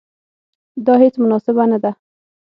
دا هیڅ مناسبه نه ده.